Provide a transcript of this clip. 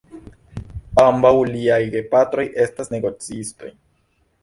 Ambaŭ liaj gepatroj estas negocistoj.